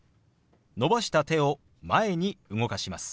伸ばした手を前に動かします。